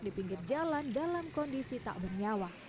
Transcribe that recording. dalam kondisi tak bernyawa